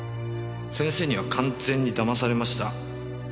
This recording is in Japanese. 先生には完全に騙されました。